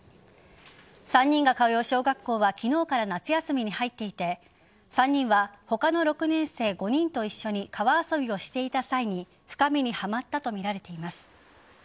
３人が通う小学校は昨日から夏休みに入っていて３人は他の６年生５人と一緒に川遊びをしていた際に深みにはまったとみられています。